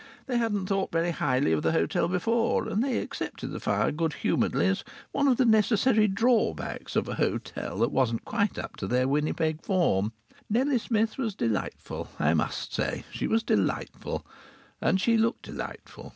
They hadn't thought very highly of the hotel before, and they accepted the fire good humouredly as one of the necessary drawbacks of a hotel that wasn't quite up to their Winnipeg form. Nellie Smith was delightful. I must say she was delightful, and she looked delightful.